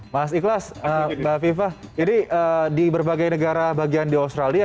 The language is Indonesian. mas ikhlas mbak viva ini di berbagai negara bagian di australia